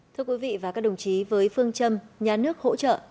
thưa quý vị và các đồng chí với phương châm nhà nước hỗ trợ